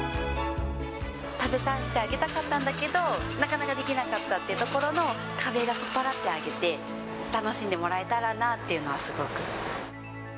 食べさせてあげたかったんだけれど、なかなかできなかったってところの壁を取っ払ってあげて、楽しんでもらえたらなっていうのはすごく。